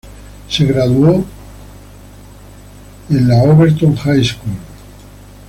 Se graduó de de la Overton High School.